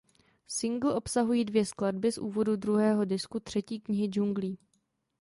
Singl obsahuje dvě skladby z úvodu druhého disku "Třetí knihy džunglí".